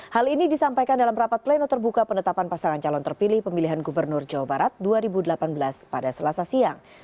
hal ini disampaikan dalam rapat pleno terbuka penetapan pasangan calon terpilih pemilihan gubernur jawa barat dua ribu delapan belas pada selasa siang